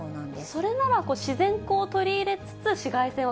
それなら自然光を取り入れつ